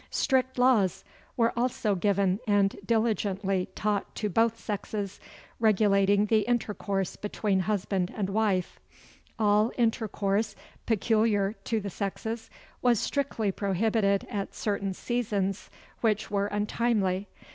Strict laws were also given and diligently taught to both sexes, regulating the intercourse between husband and wife. All intercourse peculiar to the sexes was strictly prohibited at certain seasons which were untimely.